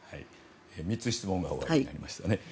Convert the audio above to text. ３つ質問がおありになりましたね。